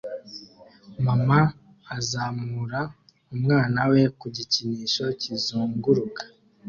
Mama azamura umwana we ku gikinisho kizunguruka